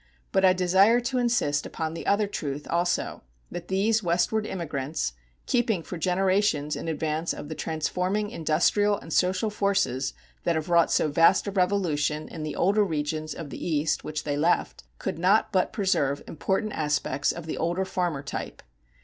But I desire to insist upon the other truth, also, that these westward immigrants, keeping for generations in advance of the transforming industrial and social forces that have wrought so vast a revolution in the older regions of the East which they left, could not but preserve important aspects of the older farmer type.